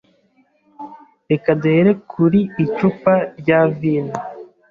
Reka duhere kuri icupa rya vino.